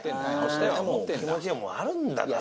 お気持ちはあるんだから。